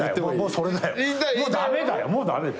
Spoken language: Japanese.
それだよ。